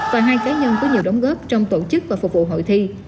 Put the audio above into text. và hai cá nhân có nhiều đóng góp trong tổ chức và phục vụ hội thi